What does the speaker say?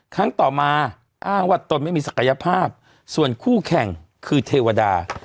ครั้งต่อมาอ้างว่าตนไม่มีศักยภาพส่วนคู่แข่งคือเทวดา